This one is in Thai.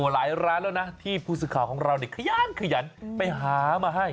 หลายร้านแล้วนะที่ผู้สื่อข่าวของเราขยันขยันไปหามาให้